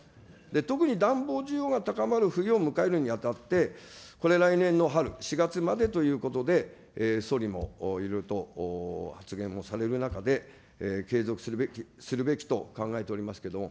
特に暖房需要が高まる冬を迎えるにあたって、これは来年の春、４月までということで総理もいろいろと発言をされる中で、継続するべきと考えておりますけれども。